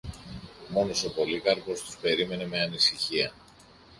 Μόνος ο Πολύκαρπος τους περίμενε με ανησυχία